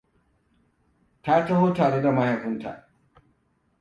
Ta taho tare da mahaifinta.